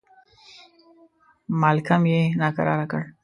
مالکم یې ناکراره کړ.